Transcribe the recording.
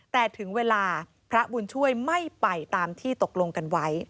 แต่ถึงเวลาพระบุญช่วยไม่ไปตามที่ตกลงกันไว้